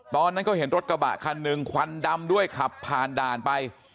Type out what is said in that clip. ตอนนั้นก็เห็นรถกระบะคันหนึ่งควันดำด้วยขับผ่านด่านไป